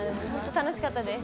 楽しかったです。